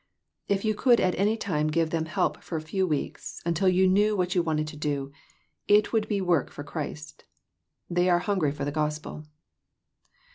If you could at any time give them help for a few weeks, until you knew what you wanted to do, it would be work for Christ. They are hungry for the gospel."